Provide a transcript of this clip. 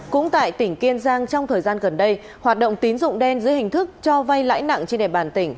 cũng tại tỉnh kiên giang trong thời gian gần đây hoạt động tín dụng đen dưới hình thức cho vay lãi nặng trên đề bàn tỉnh